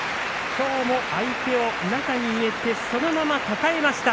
きょうも相手を中に入れてそのまま抱えました